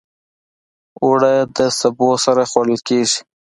اوړه د سبو سره خوړل کېږي